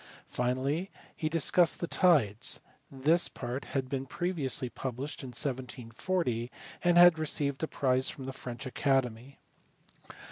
Finally he discussed the tides : this part had been previously published (in 1740) and had received a prize from the French Academy.